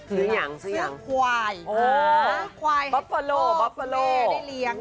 ซื้อหวัยหวัยให้พ่อขอให้เลี้ยง